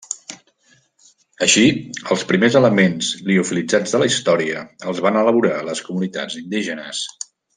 Així, els primers elements liofilitzats de la història els van elaborar les comunitats indígenes.